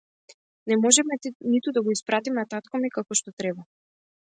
Не можеме ниту да го испpaтиме тaткo ми како што треба